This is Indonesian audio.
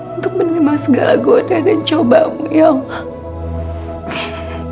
untuk menerima segala goda dan coba mu ya allah